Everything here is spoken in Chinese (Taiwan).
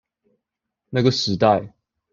那個時代